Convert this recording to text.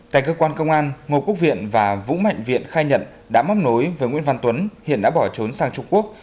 tại cơ quan công an ngô quốc viện và vũ mạnh viện khai nhận đã móc nối với nguyễn văn tuấn hiện đã bỏ trốn sang trung quốc